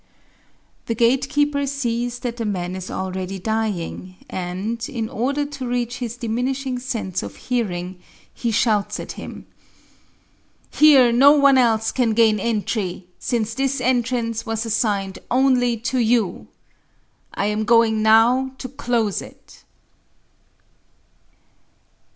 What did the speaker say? The gatekeeper sees that the man is already dying and, in order to reach his diminishing sense of hearing, he shouts at him, "Here no one else can gain entry, since this entrance was assigned only to you. I'm going now to close it."